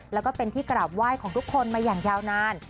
แล้วก็เป็นที่กราบไหว้ของทุกคนมาอย่างยาวนาน